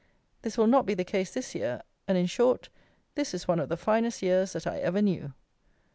This will not be the case this year; and, in short, this is one of the finest years that I ever knew.